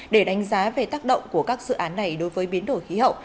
để đánh giá về tác động của các dự án này đối với biến đổi khí hậu